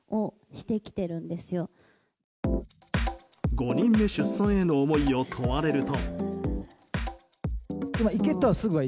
５人目出産への思いを問われると。